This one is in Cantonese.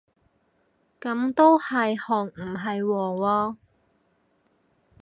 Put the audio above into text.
噉都係紅唔係黃喎